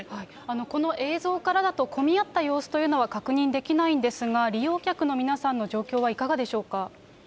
この映像からだと、混み合った様子というのは確認できないんですが、利用客の皆さんの状況はいかがでしょうか。